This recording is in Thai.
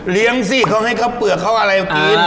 เลี้ยงสิเค้าให้เค้าเปลือกเค้าอะไรกิน